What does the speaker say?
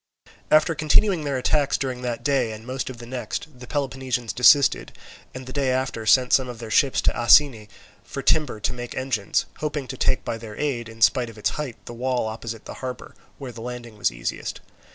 After continuing their attacks during that day and most of the next, the Peloponnesians desisted, and the day after sent some of their ships to Asine for timber to make engines, hoping to take by their aid, in spite of its height, the wall opposite the harbour, where the landing was easiest.